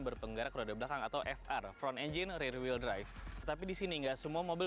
berpenggarak roda belakang atau fr front engine rare wheel drive tetapi di sini enggak semua mobil